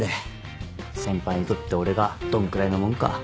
先輩にとって俺がどんくらいのもんか。